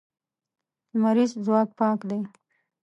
لمریز ځواک پاک دی.